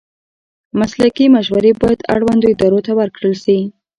مسلکي مشورې باید اړوندو ادارو ته ورکړل شي.